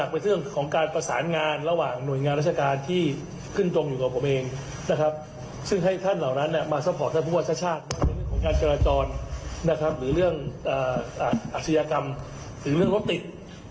เป็นเรื่องของงานกรจรนะครับหรือเรื่องอัศยกรรมหรือเรื่องว่าติด